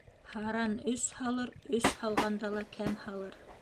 Һаран өс һалыр, өс һалғанда ла кәм һалыр.